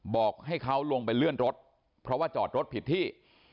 บอกให้เขาลงไปเลื่อนรถเพราะว่าจอดรถผิดที่